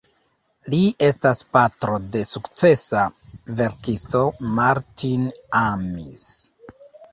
Li estas patro de sukcesa verkisto Martin Amis.